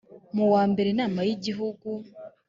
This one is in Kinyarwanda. mu wambere inama y igihugu